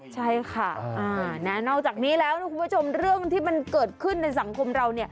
ใช่ค่ะนอกจากนี้แล้วนะคุณผู้ชมเรื่องที่มันเกิดขึ้นในสังคมเรา